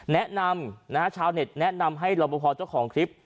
แนะนำนะฮะชาวเน็ตแนะนำให้รับประพอเจ้าของคลิป